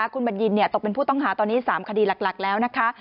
คุณบัญญินตกเป็นผู้ต้องหาตอนนี้๓คดีหลักแล้วนะคะ